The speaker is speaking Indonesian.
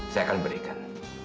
saya akan memberikan